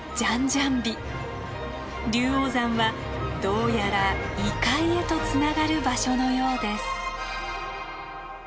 龍王山はどうやら異界へとつながる場所のようです。